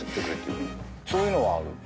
そういうのはある。